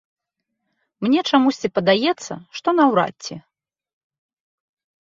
Мне чамусьці падаецца, што наўрад ці.